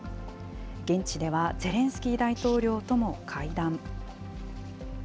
現地では、ゼレンスキー大統領とも会談。